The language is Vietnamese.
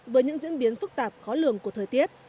với những diễn biến phức tạp khó lường của thời tiết